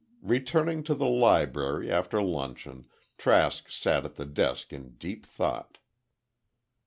Returning to the library after luncheon, Trask sat at the desk in deep thought.